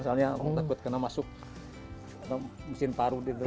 soalnya aku takut kena masuk mesin parut itu